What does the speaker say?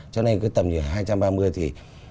cho nên cái tầm nhìn hai trăm ba mươi thì